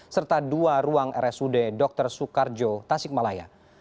serta dua ruang rsud dr soekarjo tasikmalaya